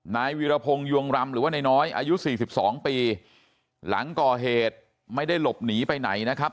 นายวิรพงษ์ยวงลำหรือว่าในน้อยอายุ๔๒ปีหลังก่อเหตุไม่ได้หลบหนีไปไหนนะครับ